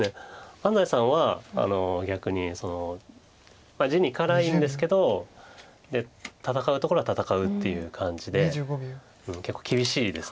安斎さんは逆に地に辛いんですけど戦うところは戦うという感じで結構厳しいです。